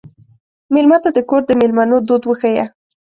مېلمه ته د کور د مېلمنو دود وښیه.